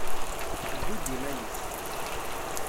Tewwi-d iman-is.